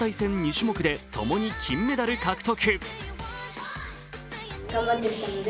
種目でともに金メダル獲得。